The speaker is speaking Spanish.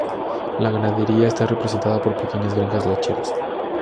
La ganadería está representada por pequeñas granjas lecheras.